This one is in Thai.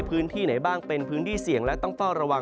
พื้นที่ไหนบ้างเป็นพื้นที่เสี่ยงและต้องเฝ้าระวัง